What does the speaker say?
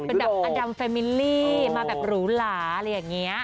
เป็นแบบอดัมแฟมิลลี่มาแบบหรูหลาอะไรอย่างนี้